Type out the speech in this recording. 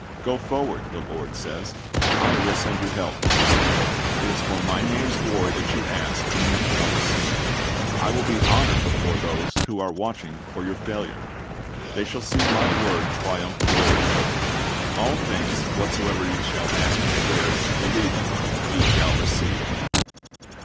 Go forward, the Lord says; I will send you help. It is for My name's glory that you ask, and you shall receive. I will be honored before those who are watching for your failure. They shall see My word triumph gloriously. "All things, whatsoever ye shall ask in prayer, believing, ye shall receive."